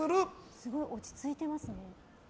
すごく落ち着いてますね。